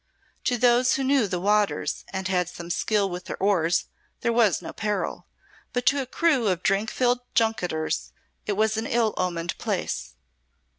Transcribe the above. To those who knew the waters and had some skill with their oars there was no peril, but to a crew of drink filled junketers it was an ill omened place.